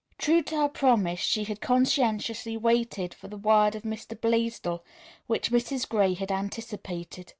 True to her promise she had conscientiously waited for the word from Mr. Blaisdell which Mrs. Gray had anticipated.